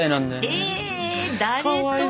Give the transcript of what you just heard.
え誰と？